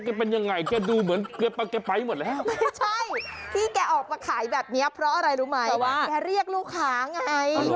เป็นยังไงแกดูเหมือนแกไปหมดแล้วไม่ใช่ที่แกออกมาขายแบบเนี้ยเพราะอะไรรู้ไหมแกเรียกลูกค้าไง